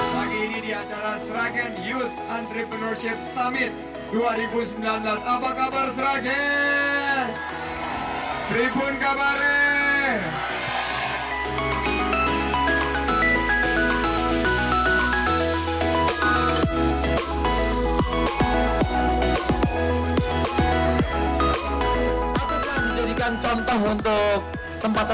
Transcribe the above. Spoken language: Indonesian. berikut kami hadirkan sragen yang entrepreneur summit selengkapnya